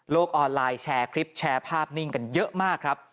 ออนไลน์แชร์คลิปแชร์ภาพนิ่งกันเยอะมากครับ